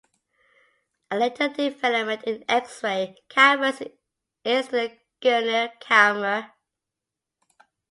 A later development in X-ray cameras is the Guinier camera.